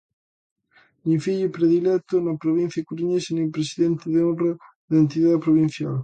Nin Fillo predilecto na provincia coruñesa nin presidente de honra da entidade provincial.